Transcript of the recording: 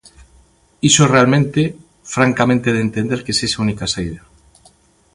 Iso é realmente, francamente de entender que sexa a única saída.